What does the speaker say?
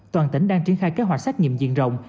toàn tỉnh đang triển khai kế hoạch xét nghiệm diện rộng